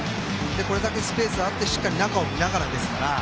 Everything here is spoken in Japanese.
これだけスペースがあってしっかり中を見ながら。